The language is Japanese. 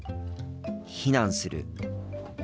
避難する。